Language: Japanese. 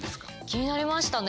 気になりましたね。